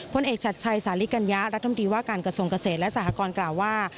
เอกชัดชัยสาลิกัญญะรัฐมนตรีว่าการกระทรวงเกษตรและสหกรณ์กล่าวว่า